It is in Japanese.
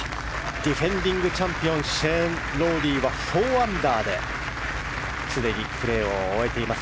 ディフェンディングチャンピオンシェーン・ロウリーは４アンダーですでにプレーを終えています。